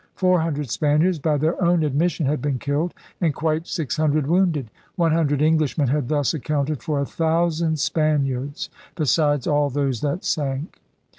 Four hundred Spaniards, by their own ad mission, had been killed, and quite six hundred wounded. One hundred Englishmen had thus accounted for a thousand Spaniards besides all those that sank!